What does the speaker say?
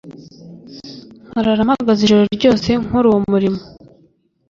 nkarara mpagaze ijoro ryose nkora uwo murimo.